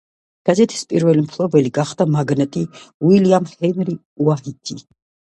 გაზეთის პირველი მფლობელი გახდა მაგნატი უილიამ ჰენრი უაითი.